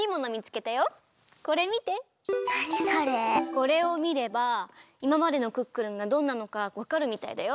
これをみればいままでの「クックルン」がどんなのかわかるみたいだよ！